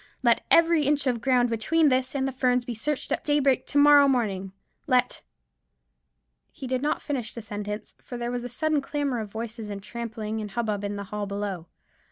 Let every inch of ground between this and the Ferns be searched at daybreak to morrow morning; let——" He did not finish the sentence, for there was a sudden clamour of voices, and trampling, and hubbub in the hall below.